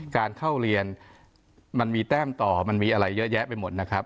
การเข้าเรียนมันมีแต้มต่อมันมีอะไรเยอะแยะไปหมดนะครับ